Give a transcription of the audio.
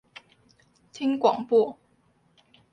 聽廣播